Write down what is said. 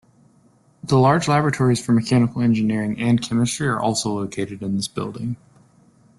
The large laboratories for Mechanical Engineering and Chemistry are also located in this building.